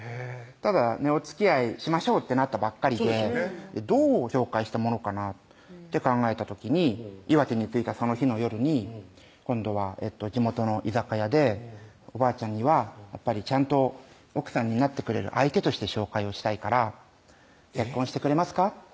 ただねおつきあいしましょうってなったばっかりでどう紹介したものかなって考えた時に岩手に着いたその日の夜に今度は地元の居酒屋で「おばあちゃんにはちゃんと奥さんになってくれる相手として紹介をしたいから結婚してくれますか？」